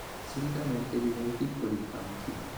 Solitamente vive in piccoli banchi.